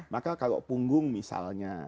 maka kalau punggung misalnya